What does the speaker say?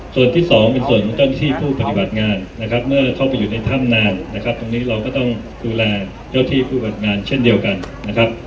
ส่วนที่สองเป็นส่วนของเจ้าหน้าที่ผู้ปฏิบัติงานนะครับเมื่อเข้าไปอยู่ในถ้ำนานนะครับตรงนี้เราก็ต้องดูแลเจ้าที่ผู้บัดงานเช่นเดียวกันนะครับ